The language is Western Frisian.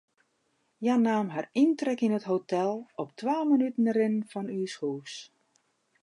Hja naam har yntrek yn it hotel, op twa minuten rinnen fan ús hûs.